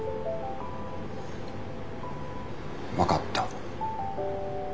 分かった。